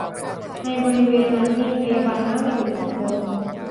ในบริเวณนั้นมีพยาบาลนั่งอยู่สองคน